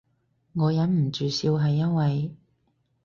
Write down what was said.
我忍唔住笑係因為